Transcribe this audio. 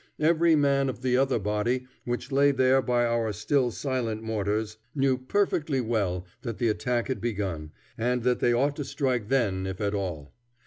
Every man of the other body, which lay there by our still silent mortars, knew perfectly well that the attack had begun, and that they ought to strike then if at all.